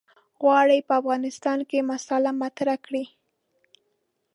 غواړي په افغانستان کې مسأله مطرح کړي.